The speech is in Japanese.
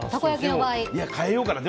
変えようかな。